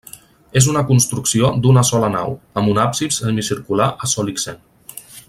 És una construcció d'una sola nau, amb un absis semicircular a sol ixent.